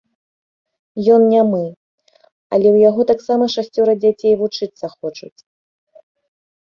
Ён нямы, але ў яго таксама шасцёра дзяцей вучыцца хочуць!